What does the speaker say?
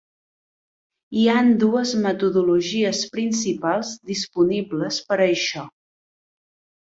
Hi han dues metodologies principals disponibles per això.